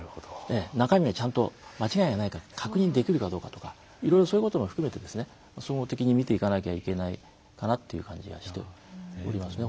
中身にちゃんと間違いがないか確認できるかとかいろいろ、そういうことも含めて総合的に見ていかなきゃいけないかなという感じがしておりますね。